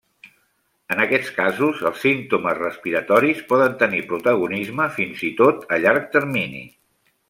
En aquests casos els símptomes respiratoris poden tenir protagonisme fins i tot a llarg termini.